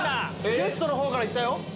ゲストの方からいったよ。